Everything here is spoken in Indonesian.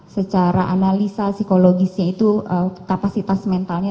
secara analisa psikologisnya itu kapasitas mentalnya